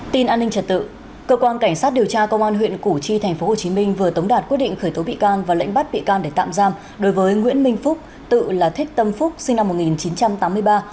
tin an ninh trật tự cơ quan cảnh sát điều tra công an huyện củ chi tp hcm vừa tống đạt quyết định khởi tố bị can và lệnh bắt bị can để tạm giam đối với nguyễn minh phúc tự là thích tâm phúc sinh năm một nghìn chín trăm tám mươi ba